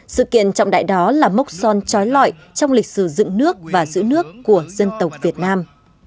sự kiện trọng đại đó là mốc son trói lọi trong lịch sử dựng nước và giữ nước của dân tộc việt nam